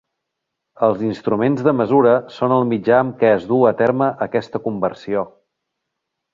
Els instruments de mesura són el mitjà amb què es duu a terme aquesta conversió.